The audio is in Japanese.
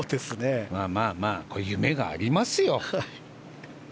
まあ、夢がありますよ。